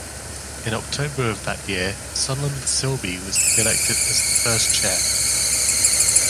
In October of that year, Solomon Sibley was elected as the first chair.